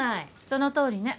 そのとおりね。